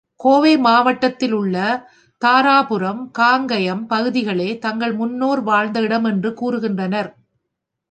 கோவை மாவட்டத்திலுள்ள தாராபுரம், காங்கயம் பகுதிகளே தங்கள் முன்னோர் வாழ்ந்த இடமென்றும் கூறுகின்றனர்.